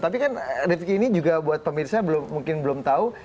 tapi kan rifki ini juga buat pemirsa mungkin belum tahu